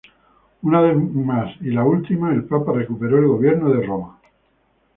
Una vez más -y la última- el Papa recuperó el gobierno de Roma.